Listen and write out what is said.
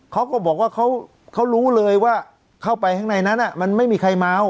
เขาก็บอกว่าเขารู้เลยว่าเข้าไปข้างในนั้นมันไม่มีใครเมา